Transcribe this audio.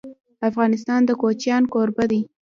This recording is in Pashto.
افغانستان د کوچیان کوربه دی.